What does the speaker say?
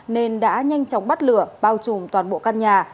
nên đã nhanh chóng bắt lửa bao trùm toàn bộ căn nhà